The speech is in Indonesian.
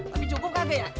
tapi cukup kaget ya